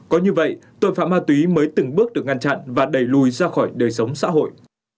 có như vậy tội phạm ma túy mới từng bước được ngăn chặn và đẩy lùi ra khỏi đời sống xã hội